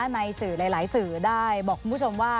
ในสื่อหลายสื่อได้บอกคุณผู้ชมว่า